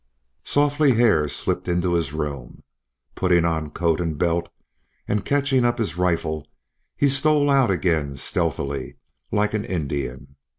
Softly Hare slipped into his room. Putting on coat and belt and catching up his rifle he stole out again stealthily, like an Indian.